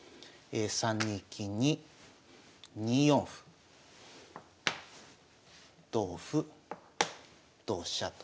３二金に２四歩同歩同飛車と。